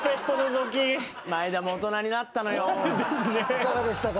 いかがでしたか？